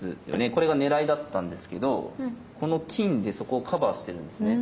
これが狙いだったんですけどこの金でそこをカバーしてるんですね。